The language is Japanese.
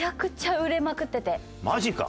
マジか！